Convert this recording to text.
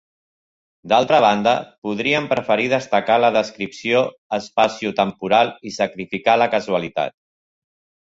D'altra banda, podríem preferir destacar la descripció espaciotemporal i sacrificar la causalitat.